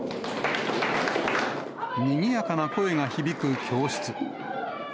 にぎやかな声が響く教室。